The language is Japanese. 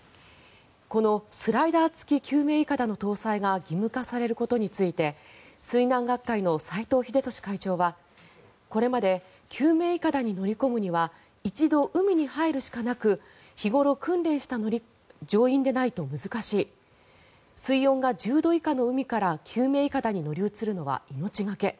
このスライダー付き救命いかだの搭載が義務化されることについて水難学会の斎藤秀俊会長はこれまで救命いかだに乗り込むには一度海に入るしかなく日頃、訓練した乗員でないと難しい水温が１０度以下の海から救命いかだに乗り移るのは命懸け。